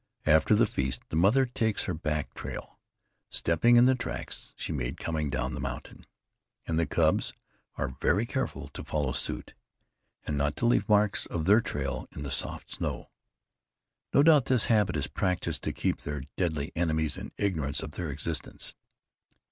After the feast the mother takes her back trail, stepping in the tracks she made coming down the mountain. And the cubs are very careful to follow suit, and not to leave marks of their trail in the soft snow. No doubt this habit is practiced to keep their deadly enemies in ignorance of their existence.